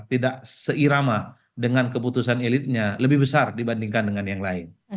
tidak seirama dengan keputusan elitnya lebih besar dibandingkan dengan yang lain